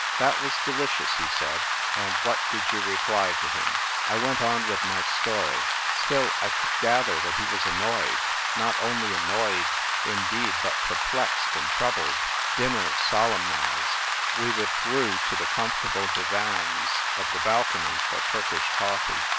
"That was delicious,' he said; "and what did you reply to him ?" I went on with my story. Still, I could gather that he was annoyed ; not only annoyed, indeed, but perplexed and troubled. Dinner solemnised, we withdrew to the comfortable divans of the balcony for Turkish coffee.